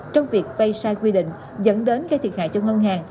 trong việc vây sai quy định dẫn đến gây thiệt hại cho ngân hàng